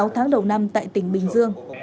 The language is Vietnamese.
sáu tháng đầu năm tại tỉnh bình dương